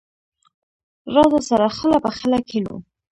راځه، سره خله په خله کېنو.